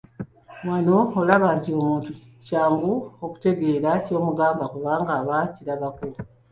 Wano olaba nti omuntu kyangu okutegeera ky’omugamba kubanga aba akirabako.